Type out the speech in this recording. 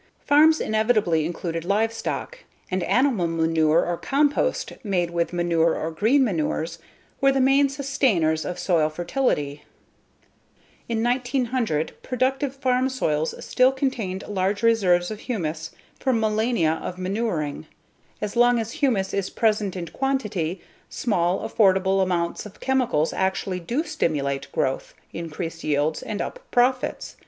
Farms inevitably included livestock, and animal manure or compost made with manure or green manures were the main sustainers of soil fertility. In 1900 productive farm soils still contained large reserves of humus from millennia of manuring. As long as humus is present in quantity, small, affordable amounts of chemicals actually do stimulate growth, increase yields, and up profits.